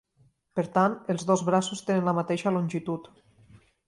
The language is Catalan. Per tant els dos braços tenen la mateixa longitud.